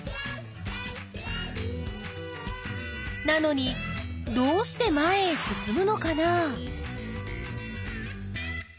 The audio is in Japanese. なのにどうして前へ進むのかな？